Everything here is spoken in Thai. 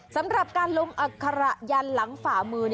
สำหรับการลงอัคระยันหลังฝ่ามือ